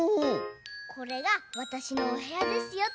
これがわたしのおへやですよって